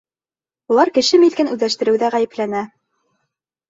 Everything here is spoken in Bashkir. Улар кеше милкен үҙләштереүҙә ғәйепләнә.